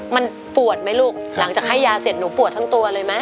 มันปวดไหมลูกหลังจากให้ยาเสร็จหนูปวดทั้งตัวเลยไหม